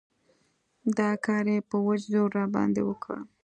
دا کار يې په وچ زور راباندې وکړ.